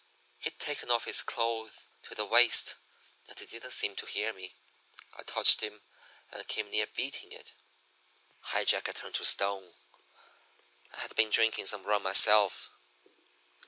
"He'd taken off his clothes to the waist, and he didn't seem to hear me. I touched him, and came near beating it. High Jack had turned to stone. I had been drinking some rum myself.